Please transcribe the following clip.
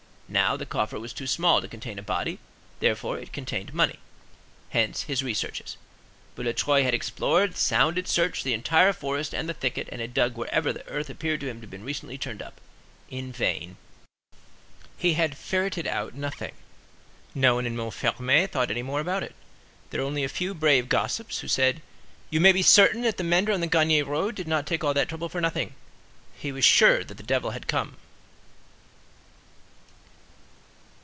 Now, the coffer was too small to contain a body; therefore it contained money. Hence his researches. Boulatruelle had explored, sounded, searched the entire forest and the thicket, and had dug wherever the earth appeared to him to have been recently turned up. In vain. He had "ferreted out" nothing. No one in Montfermeil thought any more about it. There were only a few brave gossips, who said, "You may be certain that the mender on the Gagny road did not take all that trouble for nothing; he was sure that the devil had come."